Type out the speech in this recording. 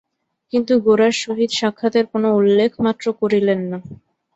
কিন্তু গোরার সহিত সাক্ষাতের কোনো উল্লেখমাত্র করিলেন না।